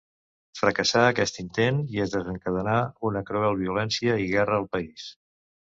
Fracassà aquest intent i es desencadenà una cruel violència i guerra al país.